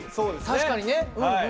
確かにね！